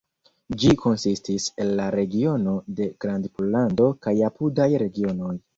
Ĝi konsistis el la regiono de Grandpollando kaj apudaj regionoj.